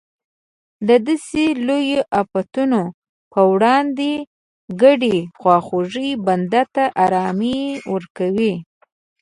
د داسې لویو افتونو پر وړاندې ګډې خواخوږۍ بنده ته ارام ورکوي.